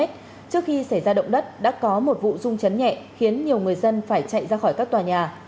trước khi xảy ra động đất đã có một vụ rung chấn nhẹ khiến nhiều người dân phải chạy ra khỏi các tòa nhà